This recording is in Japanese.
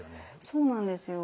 そうなんですよ。